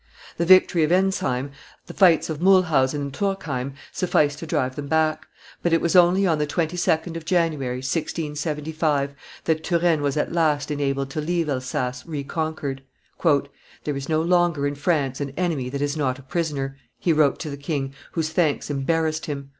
The victory of Ensheim, the fights of Mulhausen and Turckheim, sufficed to drive them back; but it was only on the 22d of January, 1675, that Turenne was at last enabled to leave Elsass reconquered. "There is no longer in France an enemy that is not a prisoner," he wrote to the king, whose thanks embarrassed him.